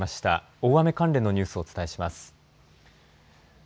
大雨関連のニュースをお伝えします。